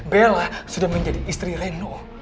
bella sudah menjadi istri reno